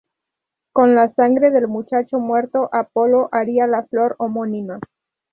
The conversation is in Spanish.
Con la sangre del muchacho muerto, Apolo haría la flor homónima.